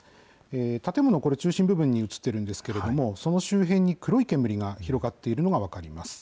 建物、これ、中心部分に写っているんですけれども、その周辺に黒い煙が広がっているのが分かります。